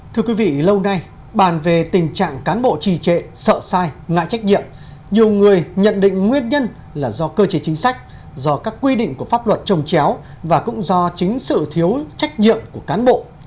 thưa quý vị lâu nay bàn về tình trạng cán bộ trì trệ sợ sai ngại trách nhiệm nhiều người nhận định nguyên nhân là do cơ chế chính sách do các quy định của pháp luật trồng chéo và cũng do chính sự thiếu trách nhiệm của cán bộ